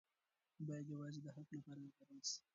باید یوازې د حق لپاره وکارول شي.